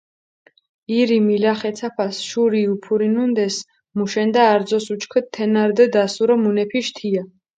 ირი მილახეცაფას შური უფურინუნდეს, მუშენდა არძოს უჩქუდჷ, თენა რდჷ დასურო მუნეფიშ თია.